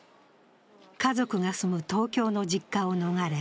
家族が住む東京の実家を逃れ